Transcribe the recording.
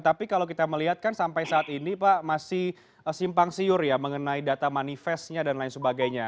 tapi kalau kita melihat kan sampai saat ini pak masih simpang siur ya mengenai data manifestnya dan lain sebagainya